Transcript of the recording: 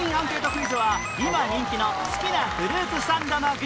クイズは今人気の好きなフルーツサンドの具